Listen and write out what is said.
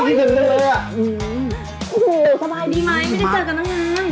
กีฝึกเต็มเลยอ่ะโอ้โหสบายดีไหมไม่ได้เจอกับนักงาน